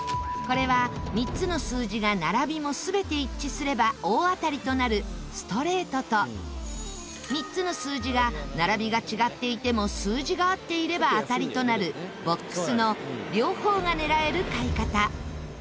これは３つの数字が並びも全て一致すれば大当たりとなるストレートと３つの数字が並びが違っていても数字が合っていれば当たりとなるボックスの両方が狙える買い方。